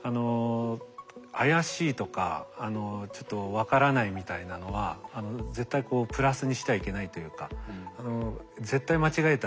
怪しいとかちょっと分からないみたいなのは絶対こうプラスにしてはいけないというか。